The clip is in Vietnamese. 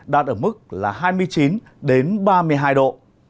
đạt ở mức là hai mươi chín đến ba mươi hai độ